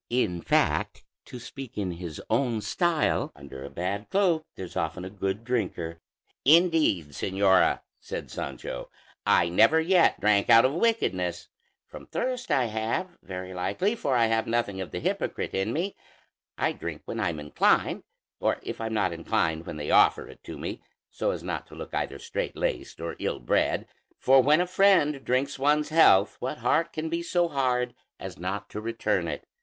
In fact, to speak in his own style, 'Under a bad cloak there's often a good drinker.'" "Indeed, señora," said Sancho, "I never yet drank out of wickedness; from thirst I have, very likely, for I have nothing of the hypocrite in me; I drink when I'm inclined, or, if I'm not inclined, when they offer it to me, so as not to look either strait laced or ill bred; for when a friend drinks one's health, what heart can be so hard as not to return it?